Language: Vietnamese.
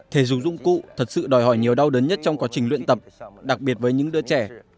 thể dục dụng cụ thật sự đòi hỏi nhiều đau đớn nhất trong quá trình luyện tập đặc biệt với những đứa trẻ